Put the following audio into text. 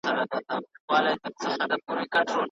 د کالیو داغونه باید ژر پاک سي.